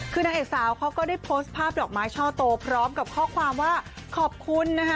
คือนางเอกสาวเขาก็ได้โพสต์ภาพดอกไม้ช่อโตพร้อมกับข้อความว่าขอบคุณนะคะ